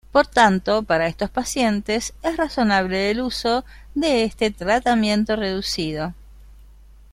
Por tanto, para estos pacientes es razonable el uso de este tratamiento reducido.